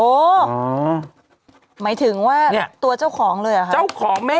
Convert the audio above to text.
โอ้หมายถึงว่าตัวเจ้าของเลย